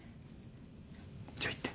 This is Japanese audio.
じゃあ行って。